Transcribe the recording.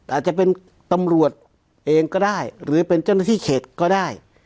อาจจะเป็นตำรวจเองก็ได้หรือเป็นเจ้าหน้าที่เขตก็ได้